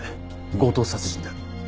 強盗殺人だ。